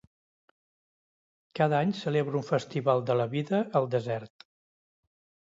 Cada any celebra un festival de la vida al desert.